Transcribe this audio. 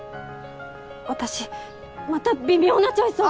私また微妙なチョイスを。